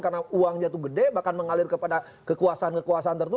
karena uangnya itu gede bahkan mengalir kepada kekuasaan kekuasaan tertentu